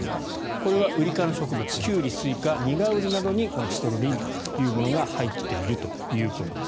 これはウリ科の植物キュウリ、スイカニガウリなどにこのシトルリンというものが入っているということです。